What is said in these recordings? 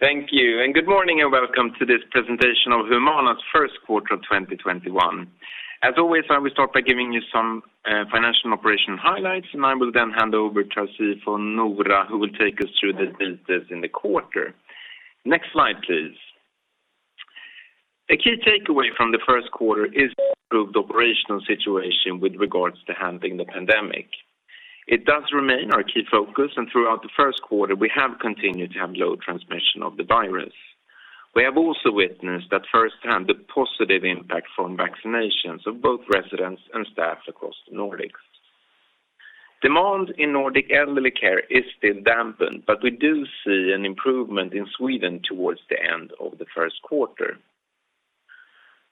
Thank you. Good morning. Welcome to this presentation of Humana's first quarter of 2021. As always, I will start by giving you some financial and operational highlights, and I will then hand over to Rasmus or Noora, who will take us through the details in the quarter. Next slide, please. A key takeaway from the first quarter is improved operational situation with regards to handling the pandemic. It does remain our key focus, and throughout the first quarter, we have continued to have low transmission of the virus. We have also witnessed that firsthand the positive impact from vaccinations of both residents and staff across the Nordics. Demand in Nordic Elderly Care is still dampened, but we do see an improvement in Sweden towards the end of the first quarter.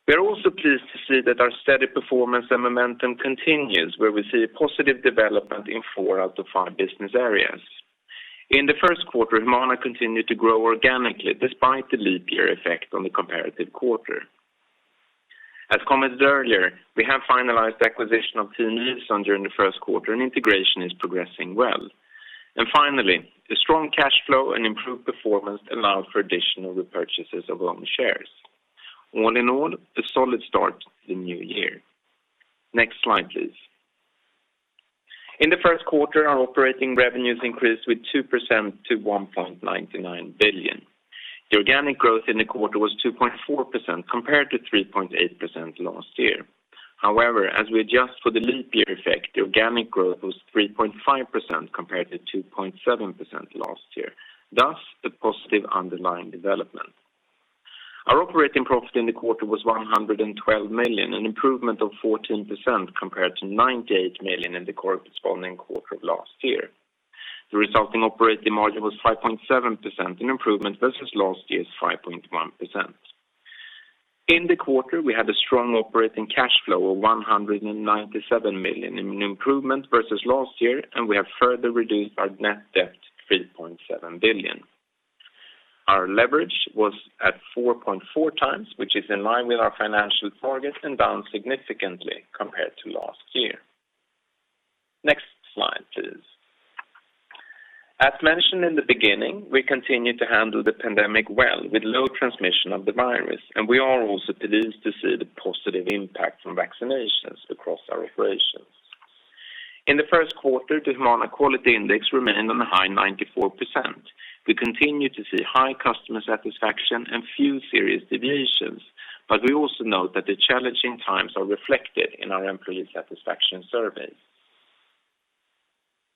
We are also pleased to see that our steady performance and momentum continues, where we see a positive development in four out of five business areas. In the first quarter, Humana continued to grow organically despite the leap year effect on the comparative quarter. As commented earlier, we have finalized the acquisition of Team [Nytaros] during the first quarter, and integration is progressing well. Finally, the strong cash flow and improved performance allow for additional repurchases of own shares. All in all, a solid start to the new year. Next slide, please. In the first quarter, our operating revenues increased with 2% to 1.99 billion. The organic growth in the quarter was 2.4% compared to 3.8% last year. However, as we adjust for the leap year effect, the organic growth was 3.5% compared to 2.7% last year, thus a positive underlying development. Our operating profit in the quarter was 112 million, an improvement of 14% compared to 98 million in the corresponding quarter of last year. The resulting operating margin was 5.7%, an improvement versus last year's 5.1%. In the quarter, we had a strong operating cash flow of 197 million, an improvement versus last year, and we have further reduced our net debt to 3.7 billion. Our leverage was at 4.4x, which is in line with our financial targets and down significantly compared to last year. Next slide, please. As mentioned in the beginning, we continue to handle the pandemic well with low transmission of the virus, and we are also pleased to see the positive impact from vaccinations across our operations. In the first quarter, the Humana Quality Index remained on a high 94%. We continue to see high customer satisfaction and few serious deviations. We also note that the challenging times are reflected in our employee satisfaction survey.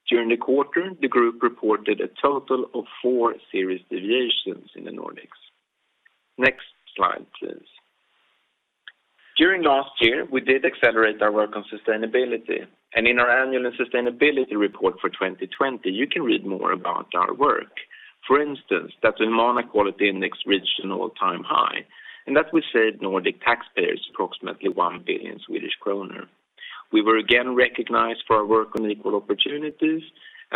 During the quarter, the group reported a total of four serious deviations in the Nordics. Next slide, please. During last year, we did accelerate our work on sustainability. In our annual sustainability report for 2020, you can read more about our work. For instance, that the Humana Quality Index reached an all-time high and that we saved Nordic taxpayers approximately 1 billion Swedish kronor. We were again recognized for our work on equal opportunities.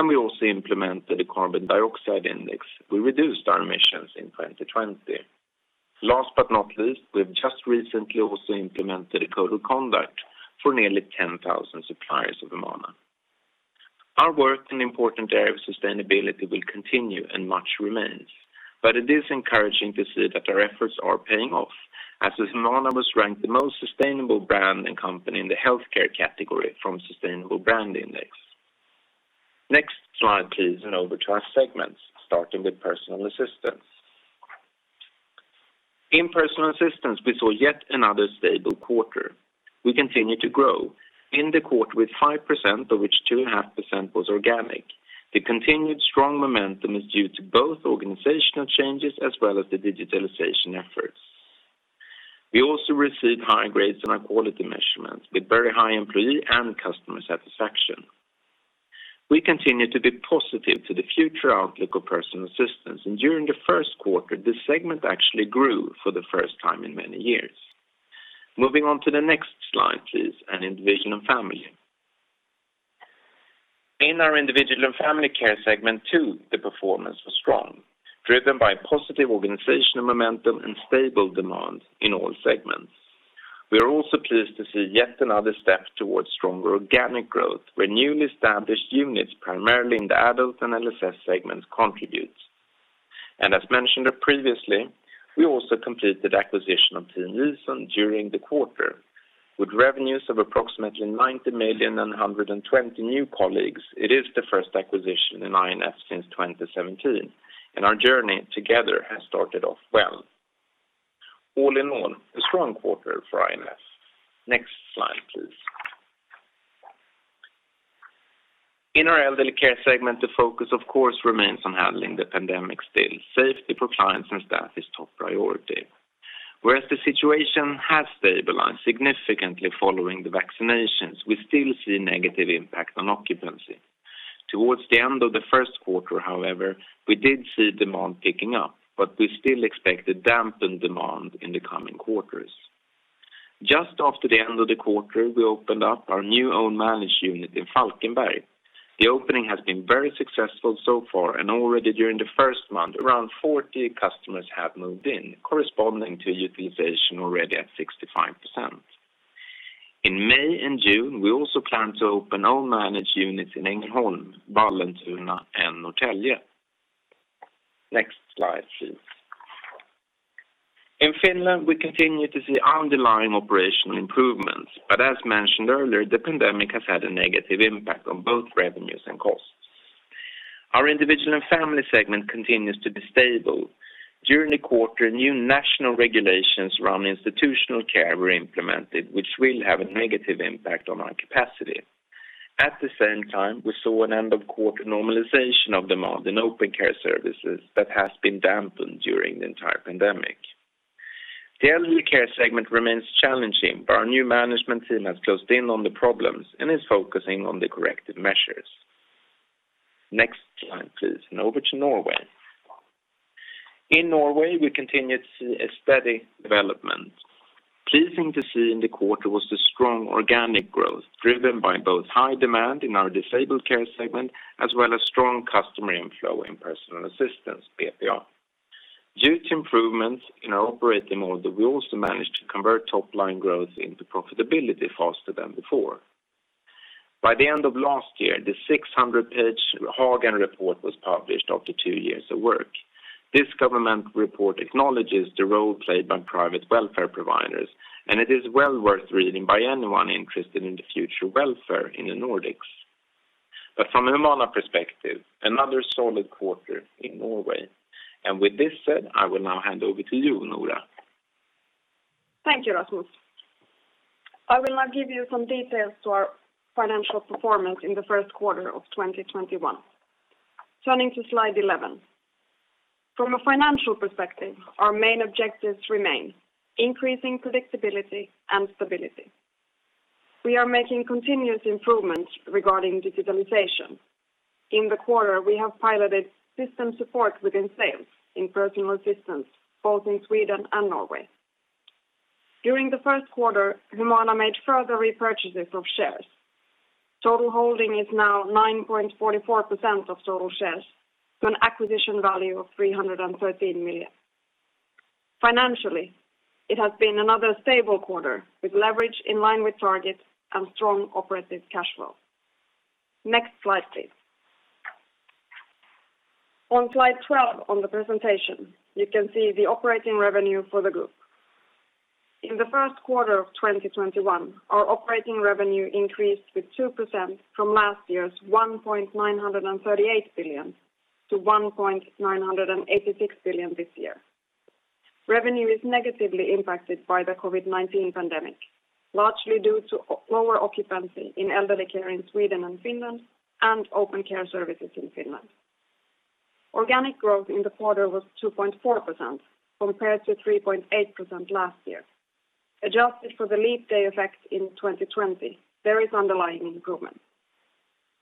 We also implemented a carbon dioxide index. We reduced our emissions in 2020. Last but not least, we've just recently also implemented a code of conduct for nearly 10,000 suppliers of Humana. Our work in the important area of sustainability will continue. Much remains. It is encouraging to see that our efforts are paying off, as Humana was ranked the most sustainable brand and company in the healthcare category from Sustainable Brand Index. Next slide, please, and over to our segments, starting with Personal Assistance. In Personal Assistance, we saw yet another stable quarter. We continue to grow. In the quarter with 5%, of which 2.5% was organic. The continued strong momentum is due to both organizational changes as well as the digitalization efforts. We also received high grades on our quality measurements with very high employee and customer satisfaction. We continue to be positive to the future outlook of Personal Assistance, and during the first quarter, this segment actually grew for the first time in many years. Moving on to the next slide, please, and Individual & Family. In our Individual & Family care segment, the performance was strong, driven by positive organizational momentum and stable demand in all segments. We are also pleased to see yet another step towards stronger organic growth, where newly established units, primarily in the adult and LSS segments, contribute. As mentioned previously, we also completed acquisition of Team [Nytaros] during the quarter. With revenues of approximately 90 million and 120 new colleagues, it is the first acquisition in I&F since 2017, and our journey together has started off well. All in all, a strong quarter for I&F. Next slide, please. In our Elderly Care segment, the focus of course remains on handling the pandemic still. Safety for clients and staff is top priority. Whereas the situation has stabilized significantly following the vaccinations, we still see negative impact on occupancy. Towards the end of the first quarter, we did see demand picking up, we still expect a dampened demand in the coming quarters. Just after the end of the quarter, we opened up our new own managed unit in Falkenberg. The opening has been very successful so far, already during the first month, around 40 customers have moved in, corresponding to utilization already at 65%. In May and June, we also plan to open own managed units in Ängelholm, Vallentuna, and Norrtälje. Next slide, please. In Finland, we continue to see underlying operational improvements. As mentioned earlier, the pandemic has had a negative impact on both revenues and costs. Our Individual & Family segment continues to be stable. During the quarter, new national regulations around institutional care were implemented, which will have a negative impact on our capacity. At the same time, we saw an end-of-quarter normalization of demand in open care services that has been dampened during the entire pandemic. The Elderly Care segment remains challenging, our new management team has closed in on the problems and is focusing on the corrective measures. Next slide, please. Over to Norway. In Norway, we continue to see a steady development. Pleasing to see in the quarter was the strong organic growth driven by both high demand in our Disabled Care segment, as well as strong customer inflow in Personal Assistance, BPA. Due to improvements in our operating model, we also managed to convert top-line growth into profitability faster than before. By the end of last year, the 600-page Hagen Report was published after two years of work. This government report acknowledges the role played by private welfare providers, and it is well worth reading by anyone interested in the future welfare in the Nordics. From a Humana perspective, another solid quarter in Norway. With this said, I will now hand over to you, Noora. Thank you, Rasmus. I will now give you some details to our financial performance in the first quarter of 2021. Turning to slide 11. From a financial perspective, our main objectives remain: increasing predictability and stability. We are making continuous improvements regarding digitalization. In the quarter, we have piloted system support within sales in Personal Assistance, both in Sweden and Norway. During the first quarter, Humana made further repurchases of shares. Total holding is now 9.44% of total shares to an acquisition value of 313 million. Financially, it has been another stable quarter with leverage in line with targets and strong operative cash flow. Next slide, please. On slide 12 on the presentation, you can see the operating revenue for the group. In the first quarter of 2021, our operating revenue increased with 2% from last year's 1.938 billion-1.986 billion this year. Revenue is negatively impacted by the COVID-19 pandemic, largely due to lower occupancy in Elderly Care in Sweden and Finland and open care services in Finland. Organic growth in the quarter was 2.4% compared to 3.8% last year. Adjusted for the leap day effect in 2020, there is underlying improvement.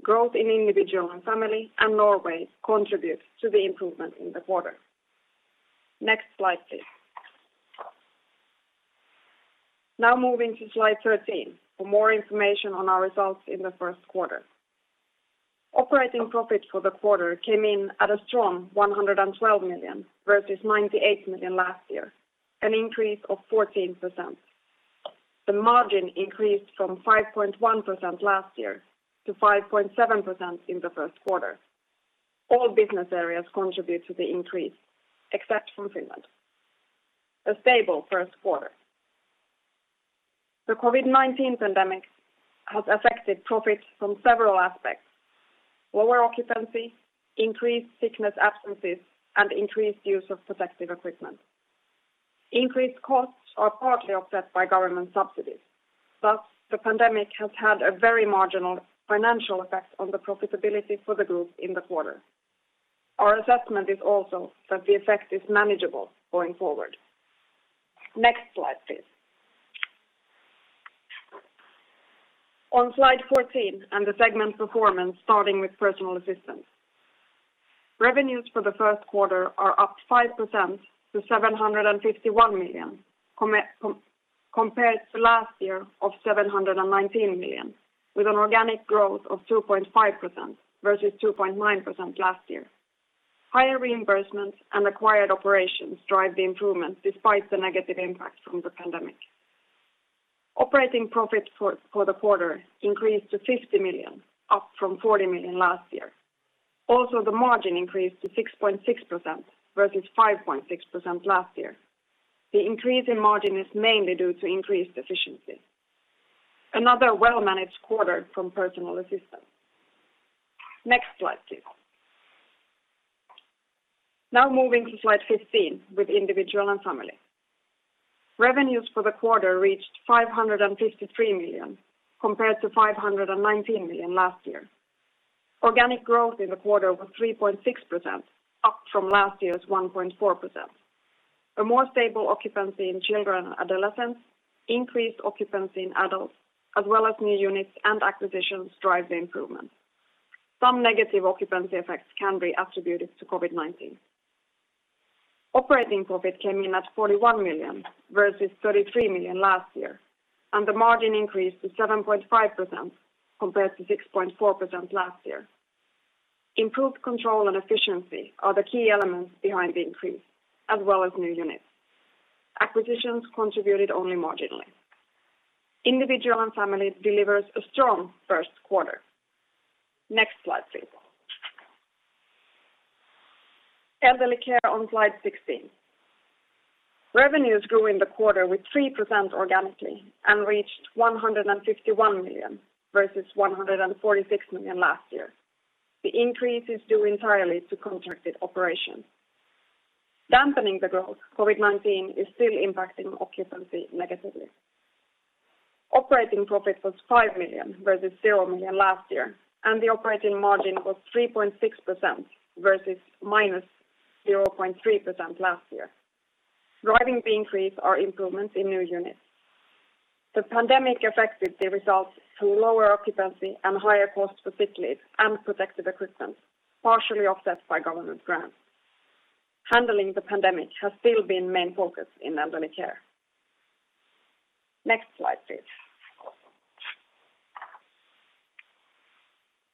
Growth in Individual & Family and Norway contributes to the improvement in the quarter. Next slide, please. Now moving to slide 13 for more information on our results in the first quarter. Operating profit for the quarter came in at a strong 112 million versus 98 million last year, an increase of 14%. The margin increased from 5.1% last year to 5.7% in the first quarter. All business areas contribute to the increase, except from Finland. A stable first quarter. The COVID-19 pandemic has affected profit from several aspects. Lower occupancy, increased sickness absences, and increased use of protective equipment. Increased costs are partly offset by government subsidies. The pandemic has had a very marginal financial effect on the profitability for the group in the quarter. Our assessment is also that the effect is manageable going forward. Next slide, please. On slide 14 and the segment performance, starting with Personal Assistance. Revenues for the first quarter are up 5% to 751 million, compared to last year of 719 million, with an organic growth of 2.5% versus 2.9% last year. Higher reimbursements and acquired operations drive the improvement despite the negative impact from the pandemic. Operating profit for the quarter increased to 50 million, up from 40 million last year. The margin increased to 6.6% versus 5.6% last year. The increase in margin is mainly due to increased efficiency. Another well-managed quarter from Personal Assistance. Next slide, please. Moving to slide 15 with Individual & Family. Revenues for the quarter reached 553 million compared to 519 million last year. Organic growth in the quarter was 3.6%, up from last year's 1.4%. A more stable occupancy in children and adolescents, increased occupancy in adults, as well as new units and acquisitions drive the improvement. Some negative occupancy effects can be attributed to COVID-19. Operating profit came in at 41 million versus 33 million last year, and the margin increased to 7.5% compared to 6.4% last year. Improved control and efficiency are the key elements behind the increase, as well as new units. Acquisitions contributed only marginally. Individual & Family delivers a strong first quarter. Next slide, please. Elderly Care on slide 16. Revenues grew in the quarter with 3% organically and reached 151 million versus 146 million last year. The increase is due entirely to contracted operations. Dampening the growth, COVID-19 is still impacting occupancy negatively. Operating profit was 5 million, versus 0 million last year, and the operating margin was 3.6% versus -0.3% last year. Driving the increase are improvements in new units. The pandemic affected the results through lower occupancy and higher cost for sick leave and protective equipment, partially offset by government grants. Handling the pandemic has still been main focus in Elderly Care. Next slide, please.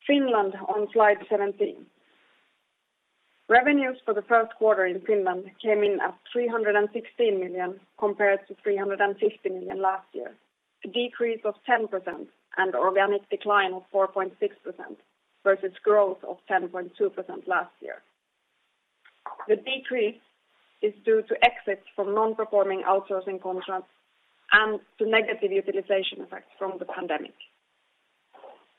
Finland on slide 17. Revenues for the first quarter in Finland came in at 316 million compared to 350 million last year, a decrease of 10% and organic decline of 4.6% versus growth of 10.2% last year. The decrease is due to exits from non-performing outsourcing contracts and to negative utilization effects from the pandemic.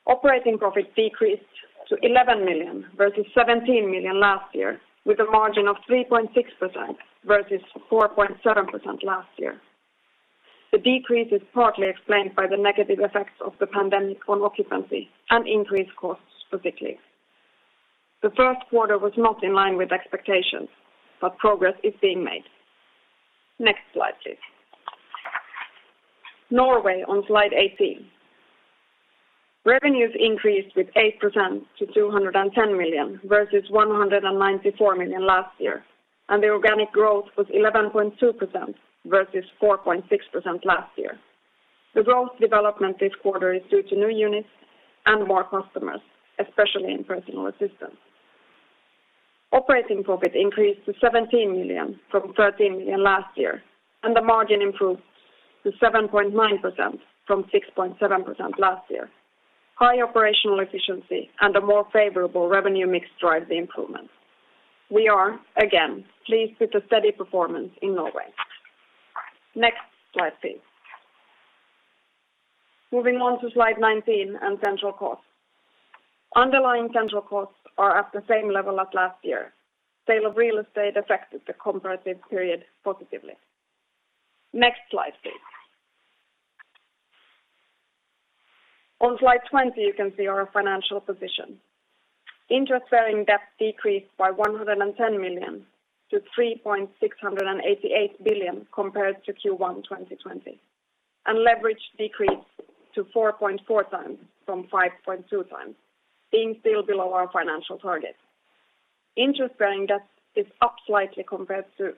Operating profit decreased to 11 million versus 17 million last year, with a margin of 3.6% versus 4.7% last year. The decrease is partly explained by the negative effects of the pandemic on occupancy and increased costs for sick leave. The first quarter was not in line with expectations, but progress is being made. Next slide, please. Norway on slide 18. Revenues increased with 8% to 210 million versus 194 million last year, and the organic growth was 11.2% versus 4.6% last year. The growth development this quarter is due to new units and more customers, especially in personal assistance. Operating profit increased to 17 million from 13 million last year, and the margin improved to 7.9% from 6.7% last year. High operational efficiency and a more favorable revenue mix drive the improvement. We are, again, pleased with the steady performance in Norway. Next slide, please. Moving on to slide 19 and central costs. Underlying central costs are at the same level as last year. Sale of real estate affected the comparative period positively. Next slide, please. On slide 20, you can see our financial position. Interest-bearing debt decreased by 110 million-3.688 billion compared to Q1 2020, and leverage decreased to 4.4x from 5.2x, being still below our financial target. Interest-bearing debt is up slightly compared to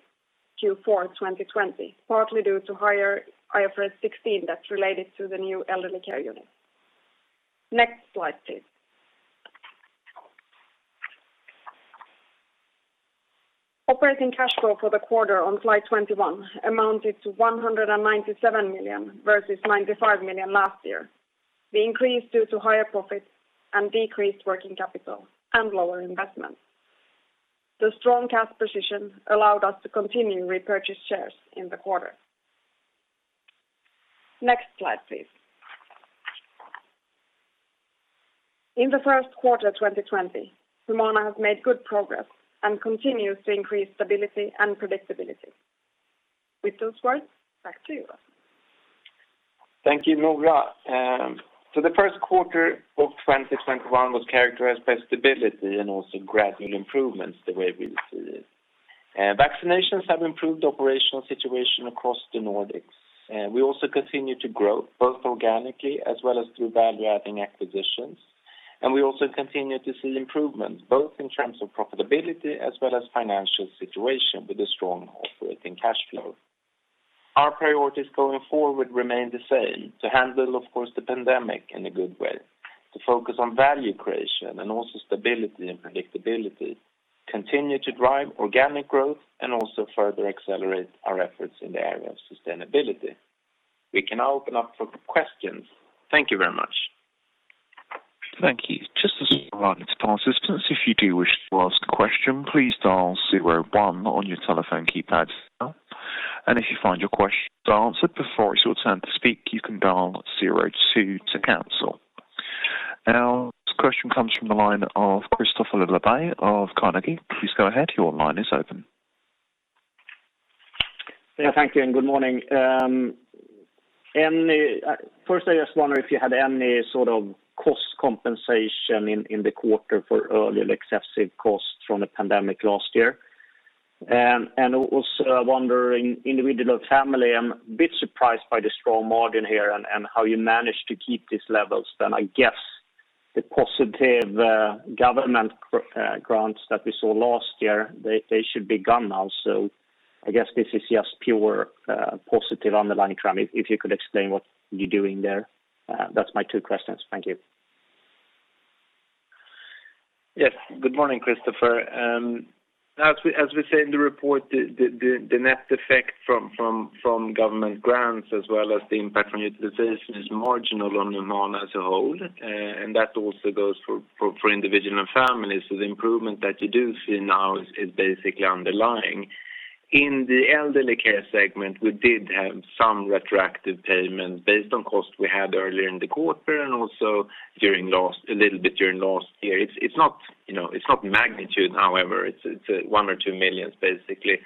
Q4 2020, partly due to higher IFRS 16 that's related to the new Elderly Care unit. Next slide, please. Operating cash flow for the quarter on slide 21 amounted to 197 million versus 95 million last year. The increase due to higher profits and decreased working capital and lower investments. The strong cash position allowed us to continue repurchase shares in the quarter. Next slide, please. In the first quarter 2020, Humana has made good progress and continues to increase stability and predictability. With those words, back to you. Thank you, Noora. The first quarter of 2021 was characterized by stability and also gradual improvements the way we see it. Vaccinations have improved the operational situation across the Nordics. We also continue to grow, both organically as well as through value-adding acquisitions. We also continue to see improvements both in terms of profitability as well as financial situation with a strong operating cash flow. Our priorities going forward remain the same: to handle, of course, the pandemic in a good way, to focus on value creation and also stability and predictability, continue to drive organic growth, and also further accelerate our efforts in the area of sustainability. We can now open up for questions. Thank you very much. Thank you. Just a short reminder to participants, if you do wish to ask a question, please dial zero one on your telephone keypad now. If you find your question is answered before it's your turn to speak, you can dial zero two to cancel. Our first question comes from the line of Kristofer Liljeberg of Carnegie. Please go ahead. Your line is open. Yeah. Thank you, and good morning. First I just wonder if you had any sort of cost compensation in the quarter for early excessive costs from the pandemic last year. Also I wonder in Individual & Family, I'm a bit surprised by the strong margin here and how you managed to keep these levels. I guess the positive government grants that we saw last year, they should be gone now, so I guess this is just pure positive underlying trend. If you could explain what you're doing there. That's my two questions. Thank you. Good morning, Kristofer. As we say in the report, the net effect from government grants as well as the impact on utilization is marginal on Humana as a whole. That also goes for Individual & Family. The improvement that you do see now is basically underlying. In the Elderly Care segment, we did have some retroactive payment based on cost we had earlier in the quarter and also a little bit during last year. It's not magnitude, however. It's 1 million or 2 million basically.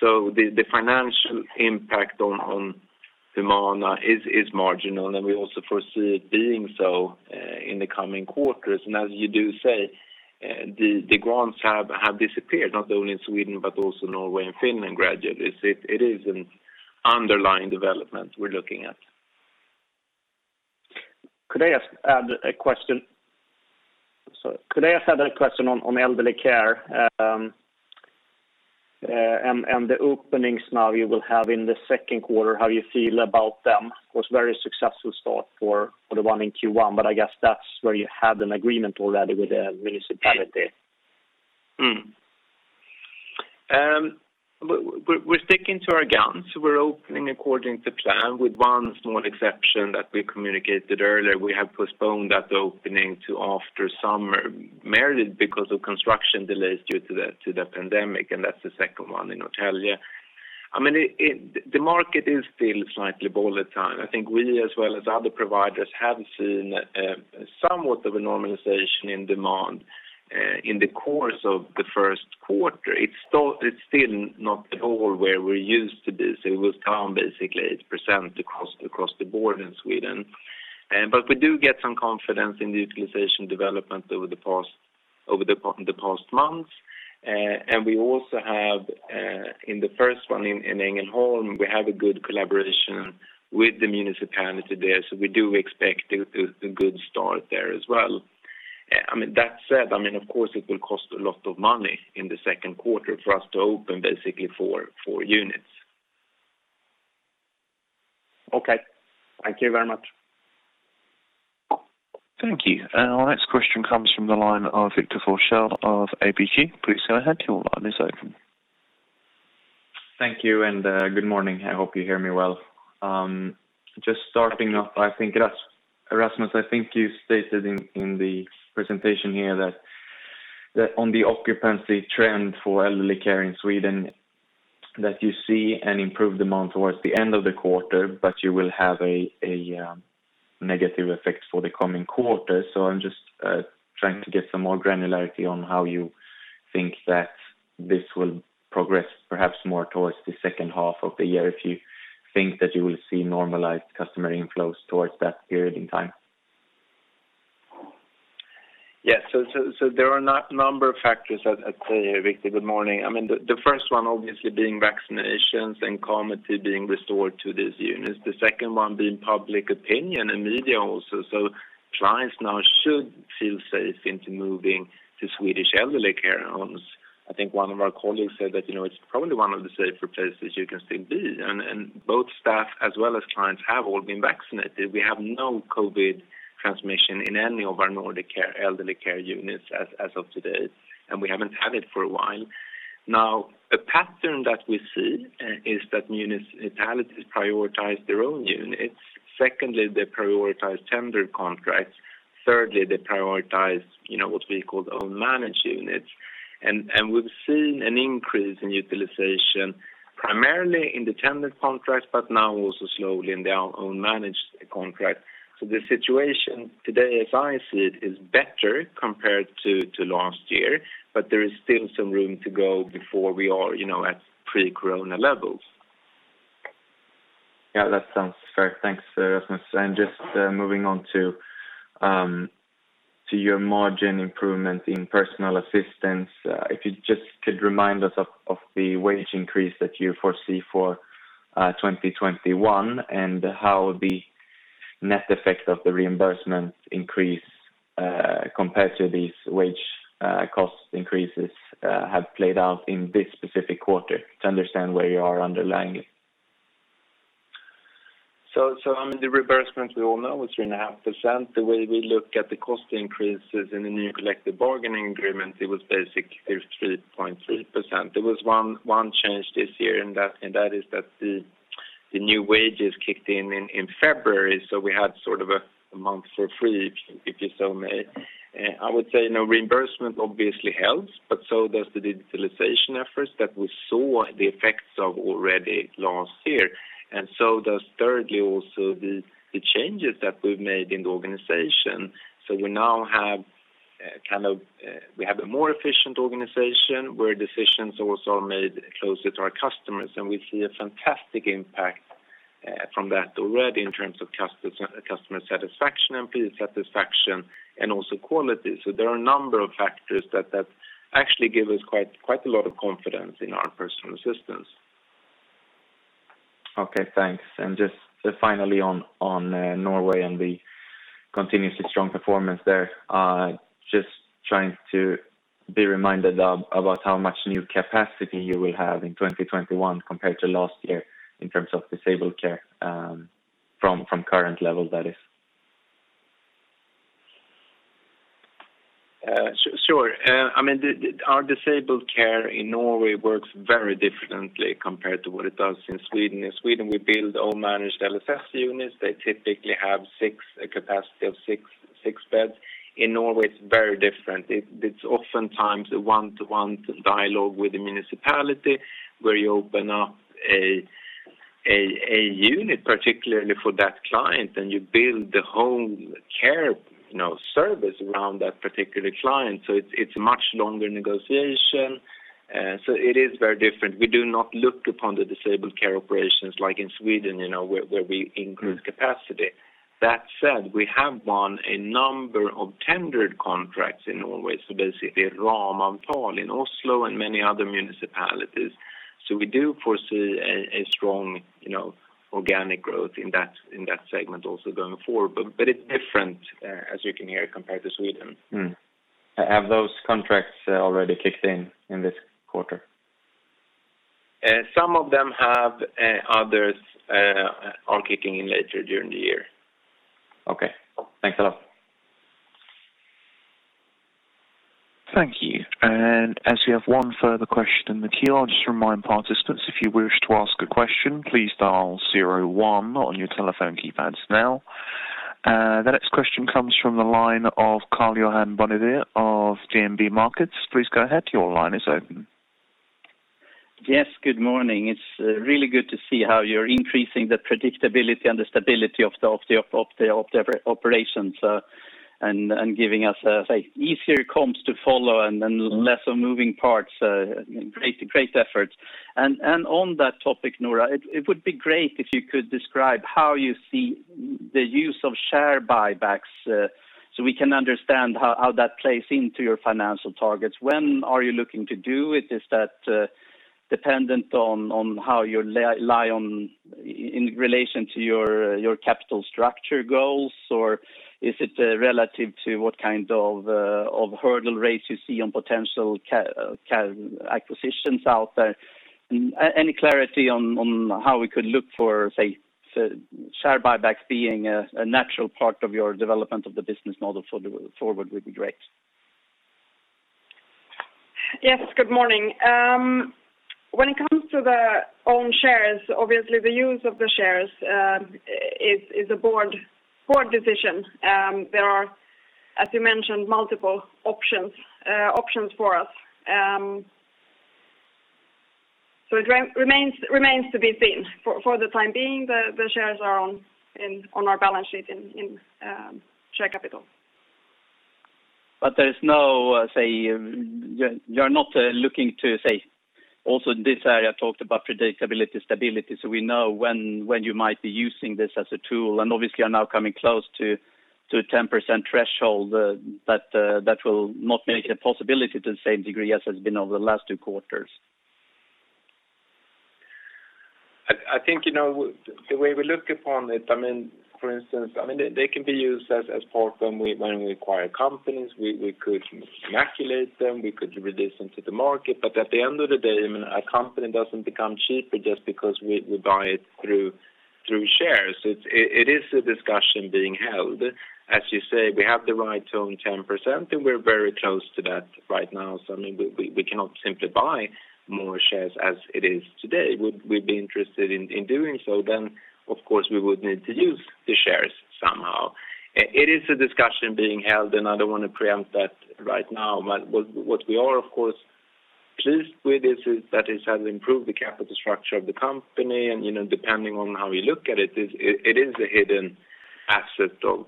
The financial impact on Humana is marginal and we also foresee it being so in the coming quarters. As you do say, the grants have disappeared, not only in Sweden but also Norway and Finland gradually. It is an underlying development we're looking at. Could I just add a question? Sorry. Could I just add a question on Elderly Care, and the openings now you will have in the second quarter, how you feel about them? It was a very successful start for the one in Q1, but I guess that's where you had an agreement already with the municipality. We're sticking to our guns. We're opening according to plan with one small exception that we communicated earlier. We have postponed that opening to after summer, mainly because of construction delays due to the pandemic, and that's the second one in Norrtälje. The market is still slightly volatile. I think we as well as other providers have seen somewhat of a normalization in demand in the course of the first quarter. It's still not at all where we used to be. It was down basically 8% across the board in Sweden. We do get some confidence in the utilization development over the past months. We also have, in the first one in Ängelholm, we have a good collaboration with the municipality there. We do expect a good start there as well. Of course it will cost a lot of money in the second quarter for us to open basically four units. Okay. Thank you very much. Thank you. Our next question comes from the line of Victor Forssell of ABG. Please go ahead, your line is open. Thank you and good morning. I hope you hear me well. Just starting off, Rasmus, I think you stated in the presentation here that on the occupancy trend for Elderly Care in Sweden, that you see an improved demand towards the end of the quarter, but you will have a negative effect for the coming quarter. I'm just trying to get some more granularity on how you think that this will progress perhaps more towards the second half of the year, if you think that you will see normalized customer inflows towards that period in time. Yes. There are a number of factors at play here, Victor. Good morning. The first one obviously being vaccinations and calm being restored to these units. The second one being public opinion and media also. Clients now should feel safe into moving to Swedish Elderly Care homes. I think one of our colleagues said that it's probably one of the safer places you can still be. Both staff as well as clients have all been vaccinated. We have no COVID transmission in any of our Nordic Elderly Care units as of today, and we haven't had it for a while. Now, a pattern that we see is that municipalities prioritize their own units. Secondly, they prioritize tendered contracts. Thirdly, they prioritize what we call own managed units. We've seen an increase in utilization, primarily in the tendered contracts, but now also slowly in the own managed contracts. The situation today as I see it is better compared to last year, but there is still some room to go before we are at pre-Corona levels. Yeah, that sounds fair. Thanks, Rasmus. Just moving on to your margin improvement in Personal Assistance. If you just could remind us of the wage increase that you foresee for 2021 and how the net effect of the reimbursement increase, compared to these wage cost increases, have played out in this specific quarter to understand where you are underlying it. The reimbursement we all know was 3.5%. The way we look at the cost increases in the new collective bargaining agreement, it was basically 3.3%. There was one change this year, that is that the new wages kicked in in February. We had sort of a month for free, if you so may. I would say, reimbursement obviously helps, so does the digitalization efforts that we saw the effects of already last year. So does thirdly also the changes that we've made in the organization. We now have a more efficient organization where decisions also are made closer to our customers, and we see a fantastic impact from that already in terms of customer satisfaction, employee satisfaction, and also quality. There are a number of factors that actually give us quite a lot of confidence in our Personal Assistance. Okay, thanks. Just finally on Norway and the continuously strong performance there, just trying to be reminded about how much new capacity you will have in 2021 compared to last year in terms of disabled care, from current level that is. Sure. Our disabled care in Norway works very differently compared to what it does in Sweden. In Sweden, we build own managed LSS units. They typically have a capacity of six beds. In Norway, it's very different. It's oftentimes a one-to-one dialogue with the municipality where you open up a unit particularly for that client, and you build the whole care service around that particular client. It's a much longer negotiation. It is very different. We do not look upon the disabled care operations like in Sweden, where we increase capacity. That said, we have won a number of tendered contracts in Norway, so basically rammeavtal in Oslo and many other municipalities. We do foresee a strong organic growth in that segment also going forward. It's different, as you can hear, compared to Sweden. Have those contracts already kicked in in this quarter? Some of them have. Others are kicking in later during the year. Okay. Thanks a lot. Thank you. As we have one further question in the queue, I'll just remind participants, if you wish to ask a question, please dial zero one on your telephone keypads now. The next question comes from the line of Karl-Johan Bonnevier of DNB Markets. Please go ahead. Your line is open. Yes, good morning. It's really good to see how you're increasing the predictability and the stability of the operations, and giving us easier comps to follow and then less of moving parts. Great efforts. On that topic, Noora, it would be great if you could describe how you see the use of share buybacks, so we can understand how that plays into your financial targets. When are you looking to do it? Is that dependent on how you rely on, in relation to your capital structure goals, or is it relative to what kind of hurdle rates you see on potential acquisitions out there? Any clarity on how we could look for share buybacks being a natural part of your development of the business model forward would be great. Yes, good morning. When it comes to the own shares, obviously the use of the shares is a board decision. There are, as you mentioned, multiple options for us. It remains to be seen. For the time being, the shares are on our balance sheet in share capital. There is no, say, you're not looking to say, also in this area, I've talked about predictability, stability, so we know when you might be using this as a tool, and obviously are now coming close to 10% threshold, but that will not make it a possibility to the same degree as has been over the last two quarters. I think, the way we look upon it, for instance, they can be used as part when we acquire companies. We could accumulate them, we could release them to the market. At the end of the day, a company doesn't become cheaper just because we buy it through shares. It is a discussion being held. As you say, we have the right to own 10%, and we're very close to that right now. We cannot simply buy more shares as it is today. Would we be interested in doing so, then of course, we would need to use the shares somehow. It is a discussion being held, and I don't want to preempt that right now. What we are, of course, pleased with is that it has improved the capital structure of the company and, depending on how you look at it is a hidden asset of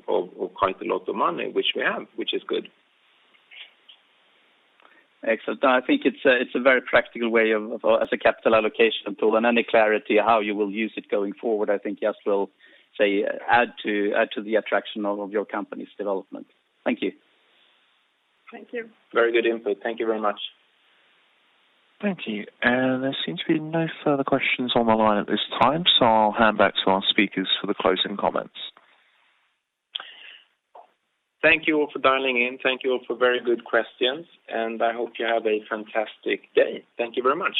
quite a lot of money, which we have, which is good. Excellent. I think it's a very practical way as a capital allocation tool. Any clarity how you will use it going forward, I think just will add to the attraction of your company's development. Thank you. Thank you. Very good input. Thank you very much. Thank you. There seems to be no further questions on the line at this time, so I'll hand back to our speakers for the closing comments. Thank you all for dialing in. Thank you all for very good questions. I hope you have a fantastic day. Thank you very much.